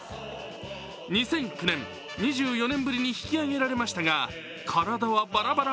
２００９年、２４年ぶりに引き上げられましたが、体はバラバラ。